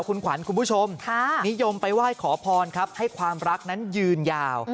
คุณขวัญคุณผู้ชมนิยมไปไหว้ขอพรครับให้ความรักนั้นยืนยาว